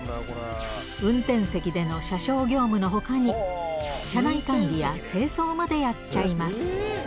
運転席での車掌業務のほかに、車内管理や清掃までやっちゃいます。